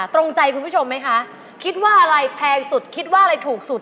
ตรงใจคุณผู้ชมไหมคะคิดว่าอะไรแพงสุดคิดว่าอะไรถูกสุด